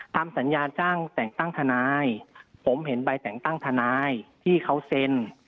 ทำสัญญาจ้างแต่งตั้งทนายผมเห็นใบแต่งตั้งทนายที่เขาเซ็น